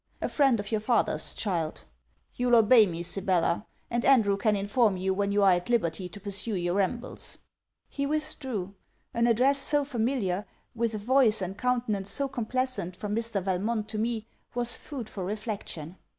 A friend of your father's, child. You'll obey me, Sibella. And Andrew can inform you when you are at liberty to pursue your rambles.' He withdrew. An address so familiar, with a voice and countenance so complacent, from Mr. Valmont to me, was food for reflection.